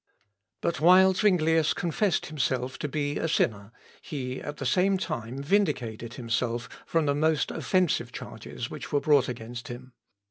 " But while Zuinglius confessed himself to be a sinner, he, at the same time vindicated himself from the most offensive charges which were brought against him.